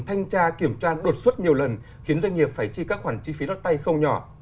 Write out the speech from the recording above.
thanh tra kiểm tra đột xuất nhiều lần khiến doanh nghiệp phải chi các khoản chi phí lót tay không nhỏ